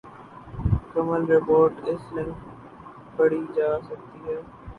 کمل report اس link پر پڑھی جا سکتی ہے ۔